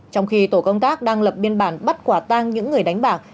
trong khi tổ công tác đang lập biên bản bắt quả tang những người đánh bạc